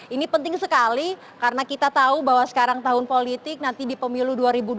ini penting sekali karena kita tahu bahwa sekarang tahun politik nanti di pemilu dua ribu dua puluh